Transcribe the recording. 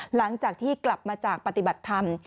หลังจากที่กลับมาจากปฏิบัติธรรม